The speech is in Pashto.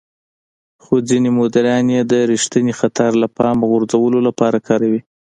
خو ځينې مديران يې د رېښتيني خطر له پامه غورځولو لپاره کاروي.